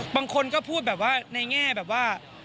บางคนก็พูดแบบว่าในแง่แบบว่า